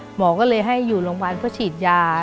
หมอก็เลยให้อยู่โรงพยาบาลพฤศจิญา